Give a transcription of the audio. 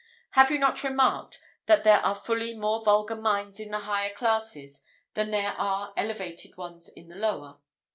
Have you not remarked, that there are fully more vulgar minds in the higher classes, than there are elevated ones in the lower?